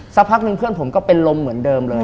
สักพักนึงเพื่อนผมก็เป็นลมเหมือนเดิมเลย